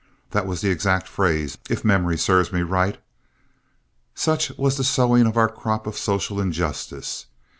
That was the exact phrase, if memory serves me right. Such was the sowing of our crop of social injustice.